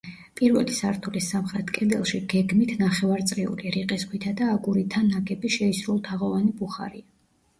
პირველი სართულის სამხრეთ კედელში გეგმით ნახევარწრიული, რიყის ქვითა და აგურითა ნაგები შეისრულთაღოვანი ბუხარია.